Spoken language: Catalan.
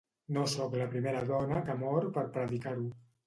No soc la primera dona que mor per predicar-ho.